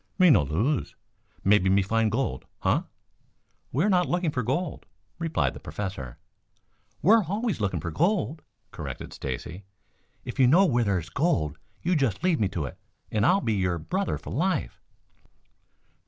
"Me no lose. Mebby me find gold, uh!" "We are not looking for gold," replied the Professor. "We are always looking for gold," corrected Stacy. "If you know where there is gold you just lead me to it and I'll be your brother for life."